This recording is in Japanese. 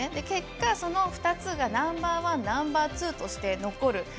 結果、その２つがナンバーワンナンバーツーとして残る。